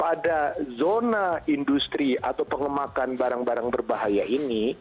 pada zona industri atau pengemakan barang barang berbahaya ini